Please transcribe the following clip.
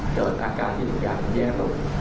โดนอาการที่อีกอย่างได้แย่ลง